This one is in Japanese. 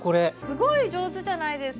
すごい上手じゃないですか。